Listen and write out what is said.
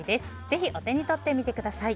ぜひ、お手に取ってみてください。